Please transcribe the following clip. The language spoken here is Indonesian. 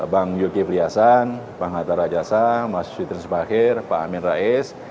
bang yuki fliassan bang hatta rajasa mas fitri subakhir pak amin rais